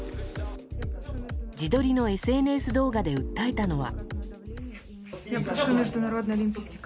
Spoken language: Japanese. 自撮りのＳＮＳ動画で訴えたのは。